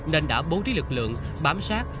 nên đã bố trí lực lượng bám sát